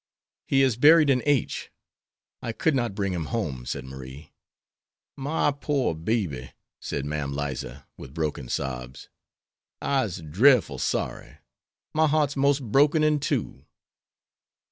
"He is buried in H . I could not bring him home," said Marie. "My pore baby," said Mam Liza, with broken sobs. "I'se drefful sorry. My heart's most broke into two."